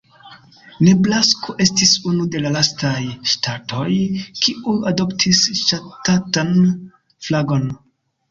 Nebrasko estis unu de la lastaj ŝtatoj, kiuj adoptis ŝtatan flagon.